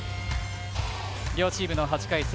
両チームの８回戦。